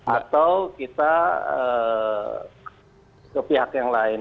atau kita ke pihak yang lain